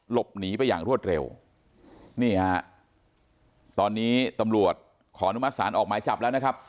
หลบหนีไปอย่างรวดเร็วนี่ฮะตอนนี้ตำรวจขออนุมัติศาลออกหมายจับแล้วนะครับ